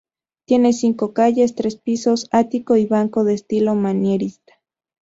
Tiene cinco calles, tres pisos, ático y banco, de estilo manierista.